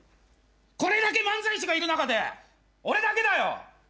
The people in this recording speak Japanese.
これだけ漫才師がいる中で俺だけだよ！